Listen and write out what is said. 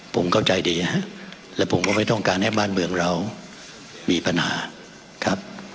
ผมเข้าใจดีนะครับและผมก็ไม่ต้องการให้บ้านเมืองเรามีปัญหาครับ